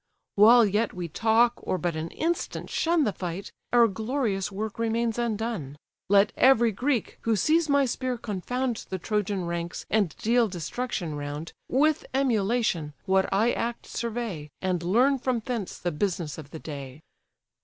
While yet we talk, or but an instant shun The fight, our glorious work remains undone. Let every Greek, who sees my spear confound The Trojan ranks, and deal destruction round, With emulation, what I act survey, And learn from thence the business of the day."